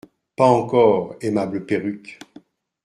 Pas encore, aimable perruque !…